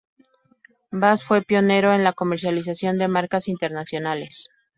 Bass fue pionero en la comercialización de marcas internacionales.